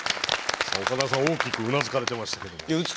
岡田さん大きくうなずかれてましたけども。